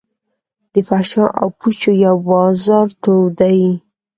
د فحاشا او پوچو یو بازار تود دی.